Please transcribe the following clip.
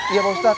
iya pak ustadz